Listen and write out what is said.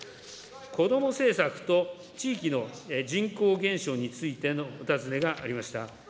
子ども政策と地域の人口減少についてのお尋ねがありました。